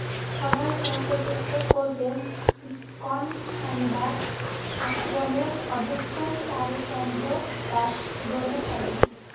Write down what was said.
সভায় সভাপতিত্ব করবেন ইসকন স্বামীবাগ আশ্রমের অধ্যক্ষ চারু চন্দ্র দাস ব্রহ্মচারী।